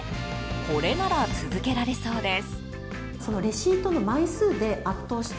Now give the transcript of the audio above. これなら続けられそうです。